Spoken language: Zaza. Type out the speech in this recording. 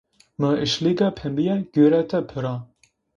Mı işliga pembiye gurete pıra.